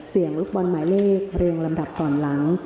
ลูกบอลหมายเลขเรียงลำดับก่อนหลัง